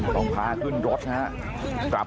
ต้องพาขึ้นรถนะครับ